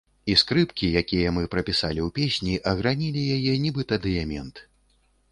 І скрыпкі, якія мы прапісалі ў песні, агранілі яе, нібыта дыямент.